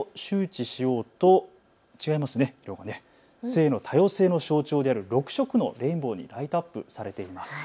性の多様性の象徴である６色のレインボーにライトアップされています。